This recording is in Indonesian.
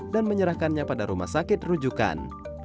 dan menyerahkannya pada rumah sakit rujukan